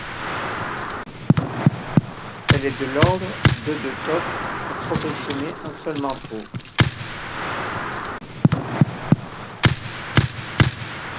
Il fallait de l'ordre de de taupe pour confectionner un seul manteau.